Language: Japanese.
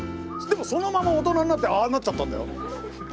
でもそのまま大人になってああなっちゃったんだよ。